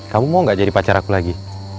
kamu mau gak jadi pacar aku lagi